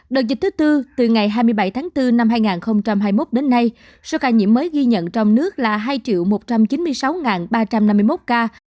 đợt dịch thứ tư từ ngày hai mươi bảy tháng bốn năm hai nghìn hai mươi một đến nay số ca nhiễm mới ghi nhận trong nước là hai một trăm chín mươi sáu ba trăm năm mươi một ca